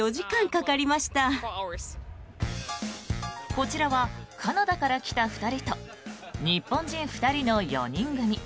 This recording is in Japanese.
こちらはカナダから来た２人と日本人２人の４人組。